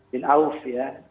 bin aus ya